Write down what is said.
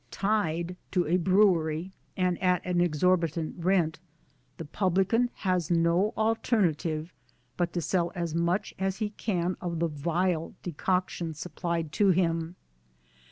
" Tied " to a Brewery, and at an exorbitant rent, the Publican has no alternative but to sell as much as he can of the vile decoction supplied to him.